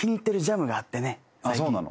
そうなの？